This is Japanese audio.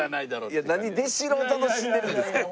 何出代を楽しんでるんですか？